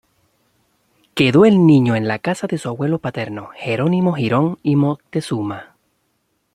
Quedó el niño en la casa de su abuelo paterno, Jerónimo Girón y Moctezuma.